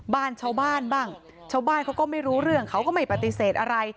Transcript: บ้านชาวบ้านบ้างชาวบ้านเขาก็ไม่รู้เรื่องเขาก็ไม่ปฏิเสธอะไร